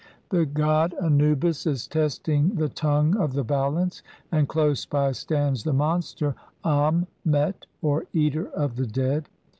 The god Anubis is testing the tongue of the balance, and close by stands the monster Am met or "eater of the dead".